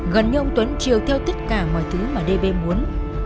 gần như ông tuấn chiều theo tất cả mọi thứ mà đê bê muốn